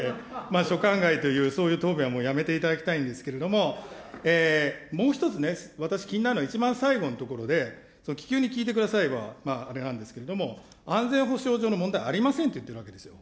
所管外という、そういう答弁はもうやめていただきたいんですけれども、もう一つ、私気になるのは、一番最後のところで、気球に聞いてくださいはあれなんですけれども、安全保障上の問題、ありませんと言ってるわけですよ。